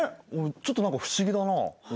ちょっと何か不思議だなあ。